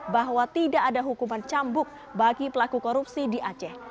bahwa tidak ada hukuman cambuk bagi pelaku korupsi di aceh